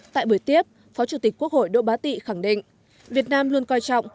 tại buổi tiếp phó chủ tịch quốc hội đỗ bá tị khẳng định việt nam luôn coi trọng